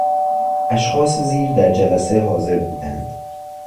اشخاص زیر در جلسه حاضر بودند.....